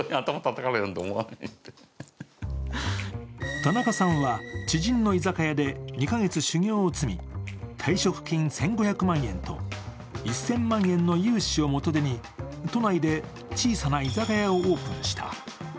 田中さんは、知人の居酒屋で２カ月修行を積み、退職金１５００万円と１０００万円の融資を元手に、都内で小さな居酒屋をオープンした。